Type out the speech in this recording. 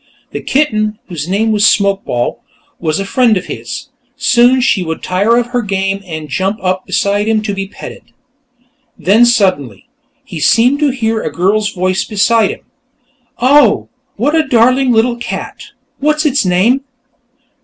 The kitten, whose name was Smokeball, was a friend of his; soon she would tire of her game and jump up beside him to be petted. Then suddenly, he seemed to hear a girl's voice beside him: "Oh, what a darling little cat! What's its name?"